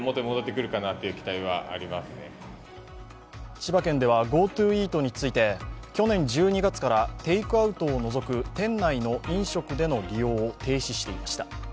千葉県ではＧｏＴｏイートについて、去年１２月からテイクアウトを除く店内の飲食での利用を停止していました。